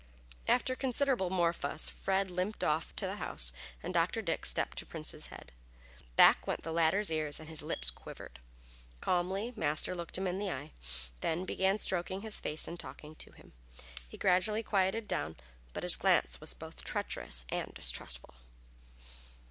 After considerable more fuss Fred limped off to the house and Dr. Dick stepped to Prince's head. Back went the latter's ears and his lips quivered. Calmly Master looked him in the eye, then began stroking his face and talking to him. He gradually quieted down, but his glance was both treacherous and distrustful.